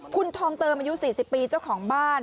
คุณทำเติมอยู่สี่สิบปีเจ้าของบ้าน